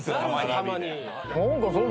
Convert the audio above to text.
たまに。